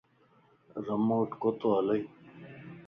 ريموٽ ڪوتو ھلئي